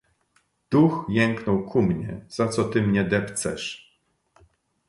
"Duch jęknął ku mnie: „Za co ty mnie depcesz?"